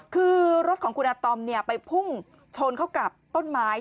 คือรถของคุณอาตอมไปพุ่งชนเข้ากับต้นไม้